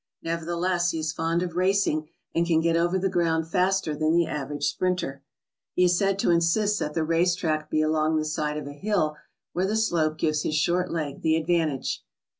Neverthe less, he is fond of racing and can get over the ground faster than the average sprinter. He is said to insist that the race track be along the side of a hill, where the slope gives his short leg the advantage.